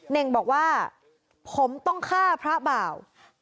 เน่งบอกว่าผมต้องฆ่าพระบ่าว